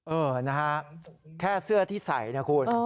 เออนะฮะแค่เสื้อที่ใส่นะคุณ